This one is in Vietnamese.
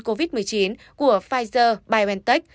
covid một mươi chín của pfizer biontech